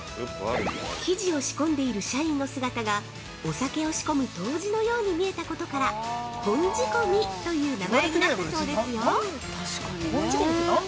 ◆生地を仕込んでいる社員の姿が、お酒を仕込む杜氏のように見えたことから、「本仕込」という名前になったそうですよ！